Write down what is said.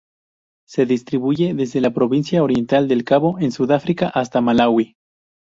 Se distribuye desde la Provincia Oriental del Cabo en Sudáfrica hasta Malaui.